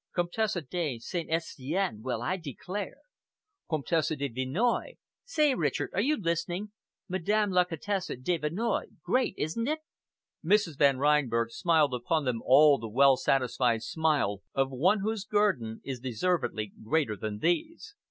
"Comtesse de St. Estien! Well, I declare!" "Comtesse de Vinoy. Say, Richard, are you listening? Madame la Comtesse de Vinoy. Great, isn't it!" Mrs. Van Reinberg smiled upon them all the well satisfied smile of one whose guerdon is deservedly greater than these.